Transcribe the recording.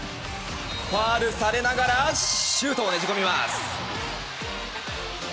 ファウルされながらシュートをねじ込みます。